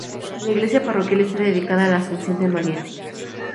La iglesia parroquial está dedicada a la Asunción de María.